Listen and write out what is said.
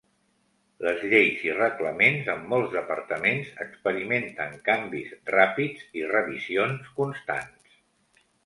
Les lleis i reglaments en molts departaments experimenten canvis ràpids i revisions constants.